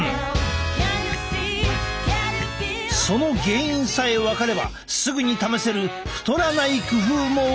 その原因さえ分かればすぐに試せる太らない工夫も分かってしまう！